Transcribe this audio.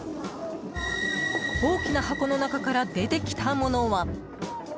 大きな箱の中から出てきたものは。